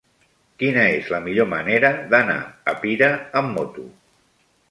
Quina és la millor manera d'anar a Pira amb moto?